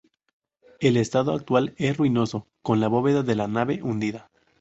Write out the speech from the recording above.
El estado actual es ruinoso, con la bóveda de la nave hundida.